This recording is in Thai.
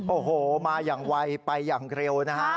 โอ้โหมาอย่างไวไปอย่างเร็วนะฮะ